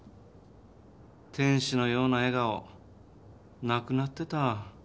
天使のような笑顔なくなってた。